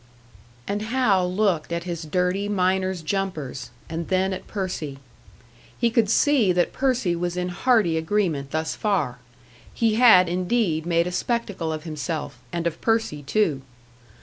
And Hal looked at his dirty miner's jumpers, and then at Percy. He could see that Percy was in hearty agreement thus far he had indeed made a spectacle of himself, and of Percy too!